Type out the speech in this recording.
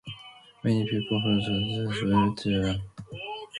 Many people from the southern provinces went to Japan.